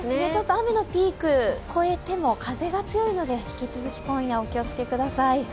雨のピークを越えても風が強いので引き続き今夜、お気をつけください